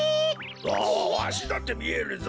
わわしだってみえるぞ。